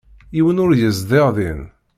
Yiwen ur yezdiɣ din.